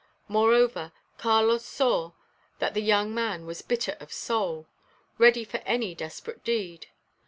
Moreover, Carlos saw that the young man was "bitter of soul;" ready for any desperate deed.